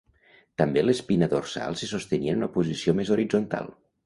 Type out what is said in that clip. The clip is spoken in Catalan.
També l'espina dorsal se sostenia en una posició més horitzontal.